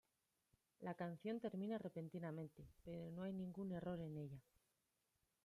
La canción termina repentinamente, pero no hay ningún error en ella.